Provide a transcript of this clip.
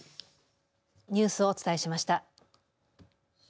ニュースをお伝えしました。